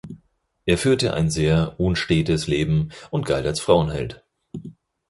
Er führte ein sehr unstetes Leben und galt als Frauenheld.